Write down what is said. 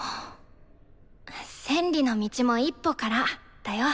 「千里の道も一歩から」だよ。